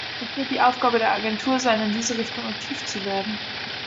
Es wird die Aufgabe der Agentur sein, in diese Richtung aktiv zu werden.